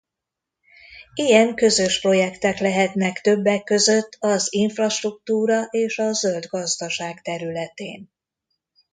Ilyen közös projektek lehetnek többek között az infrastruktúra és a zöld gazdaság területén.